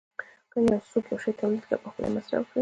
که څوک یو شی تولید کړي او پخپله یې مصرف کړي